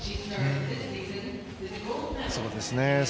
そうですね。